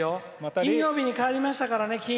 金曜日に変わりましたからね。